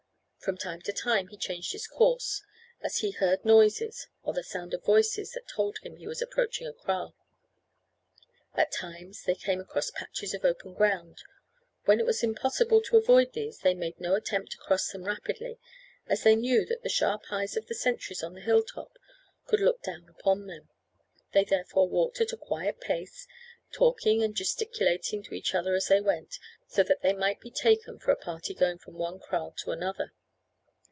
From time to time he changed his course, as he heard noises or the sound of voices that told him he was approaching a kraal. At times they came across patches of open ground. When it was impossible to avoid these they made no attempt to cross them rapidly, as they knew that the sharp eyes of the sentries on the hill top could look down upon them. They, therefore, walked at a quiet pace, talking and gesticulating to each other as they went, so that they might be taken for a party going from one kraal to another.